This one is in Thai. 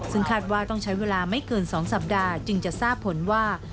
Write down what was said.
ซึ่งคาดว่าต้องใช้เวลาไม่เกิน๒สัปดาห์จึงจะทราบผลว่า